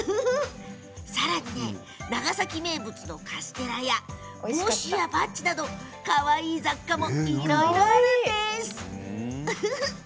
さらにね長崎名物のカステラや帽子やバッジなどかわいい雑貨もいろいろありますよ。